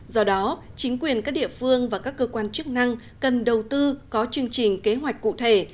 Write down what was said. do đó chính quyền các địa phương và các cơ quan chức năng cần đầu tư có chương trình kế hoạch cụ thể